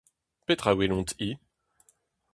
Petra welont-i ?